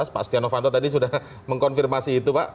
pak stiano fanto tadi sudah mengkonfirmasi itu pak